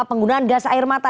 penggunaan gas air mata